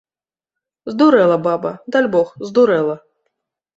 Здурэла баба, дальбог, здурэла.